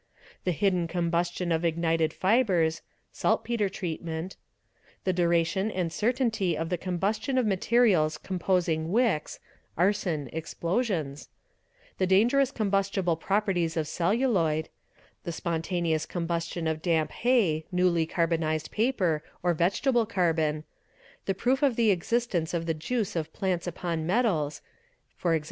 the hidden combustion of ignited fibres (saltpetre treatment) ; the duration and certainty of the combustion of materials composing wicks (arson, explosions); the dangerous combustible pro perties of celluloid; the spontaneous combustion of damp hay, newly carbonized paper, or vegetable carbon; the proof of the existence of the juice of plants upon metals, (e.g.